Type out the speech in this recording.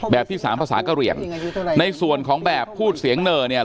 แบบที่สามภาษากะเหลี่ยงในส่วนของแบบพูดเสียงเหน่อเนี่ย